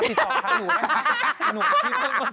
ติดต่อค้าหนูได้ค่ะ